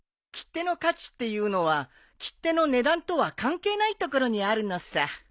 切手の価値っていうのは切手の値段とは関係ないところにあるのさ。